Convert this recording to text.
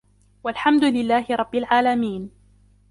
والحمد لله رب العالمين